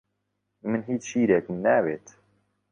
من هیچ شیرێکم ناوێت.